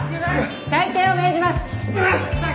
退廷を命じます。